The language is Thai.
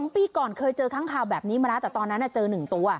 ปีก่อนเคยเจอค้างคาวแบบนี้มาแล้วแต่ตอนนั้นเจอ๑ตัว